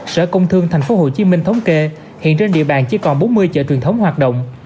sở công thương tp hcm thống kê hiện trên địa bàn chỉ còn bốn mươi chợ truyền thống hoạt động